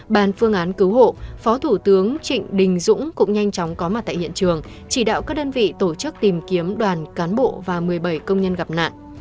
bàn phương án cứu hộ phó thủ tướng trịnh đình dũng cũng nhanh chóng có mặt tại hiện trường chỉ đạo các đơn vị tổ chức tìm kiếm đoàn cán bộ và một mươi bảy công nhân gặp nạn